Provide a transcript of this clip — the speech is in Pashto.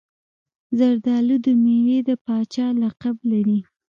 زردالو د میوې د پاچا لقب لري.